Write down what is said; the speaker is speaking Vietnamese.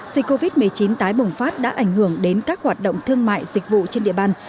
dịch covid một mươi chín tái bùng phát đã ảnh hưởng đến các hoạt động thương mại dịch vụ trên địa bàn